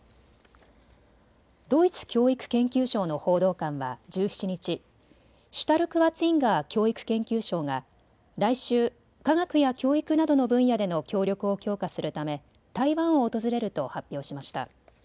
ドイツ教育・研究省の報道官は１７日、シュタルクワツィンガー教育・研究相が来週、科学や教育などの分野での協力を強化するため台湾を訪れると発表しました。